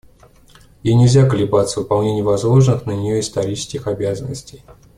Ей нельзя колебаться в выполнении возложенных на нее исторических обязанностей.